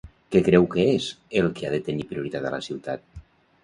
Què creu que és el que ha de tenir prioritat a la ciutat?